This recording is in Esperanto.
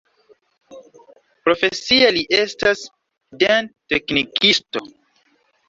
Profesie li estas dent-teknikisto.